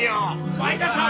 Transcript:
前田さん！